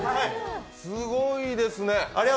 すごいですね。